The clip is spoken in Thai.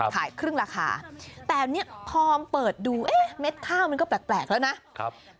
ขายครึ่งราคาแต่เนี้ยพอเปิดดูมันก็แปลกแล้วนะครับ